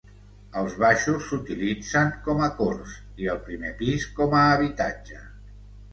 Els baixos s'utilitzen com a corts i el primer pis com a habitatge.